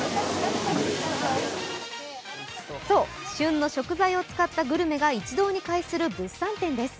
そう、旬の食材を使ったグルメが一堂に会する物産展です。